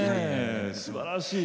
すばらしい。